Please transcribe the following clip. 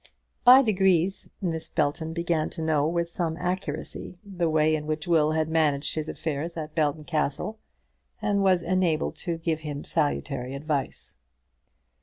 By degrees Miss Belton began to know with some accuracy the way in which Will had managed his affairs at Belton Castle, and was enabled to give him salutary advice.